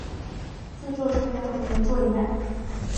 制作成员和原作一样。